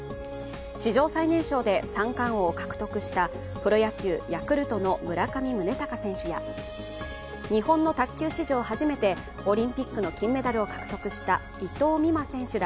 史上最年少で三冠王を獲得したプロ野球ヤクルトの村上宗隆選手や日本の卓球史上初めてオリンピックの金メダルを獲得した伊藤美誠選手ら